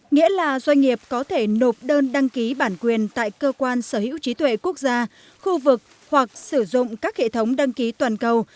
nghĩa là doanh nghiệp có thể nộp đơn đăng ký bản quyền tại cơ quan sở hữu trí tuệ quốc gia khu vực hoặc sử dụng các hệ thống đăng ký toàn cầu